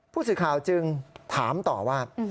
ผู้สื่อข่าวจึงถามต่อว่า